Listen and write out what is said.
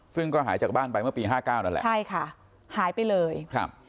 ซึ่งก็หายจากบ้านไปเมื่อปีห้าเก้านั่นแหละใช่ค่ะหายไปเลยครับ